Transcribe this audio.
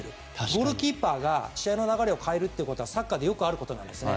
ゴールキーパーが試合の流れを変えるというのはサッカーでよくあることなんですね。